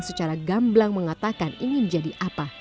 secara gamblang mengatakan ingin jadi apa